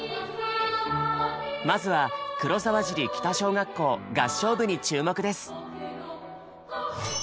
まずは黒沢尻北小学校合唱部に注目です。